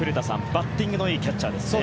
バッティングのいいキャッチャーですね。